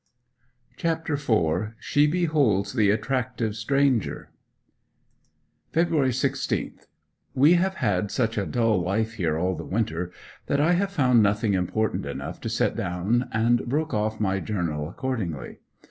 CHAPTER IV. SHE BEHOLDS THE ATTRACTIVE STRANGER February 16. We have had such a dull life here all the winter that I have found nothing important enough to set down, and broke off my journal accordingly.